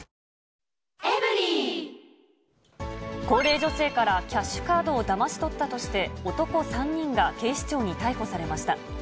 高齢女性からキャッシュカードをだまし取ったとして、男３人が警視庁に逮捕されました。